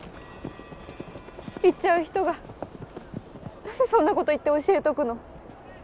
行っちゃう人がなぜそんなこと言って教えとくの？